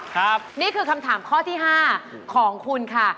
นี่คือคำถามข้อที่๕ของคุณค่ะ